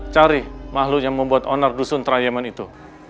cari makhluk yang membuat onar dusun trayemen itu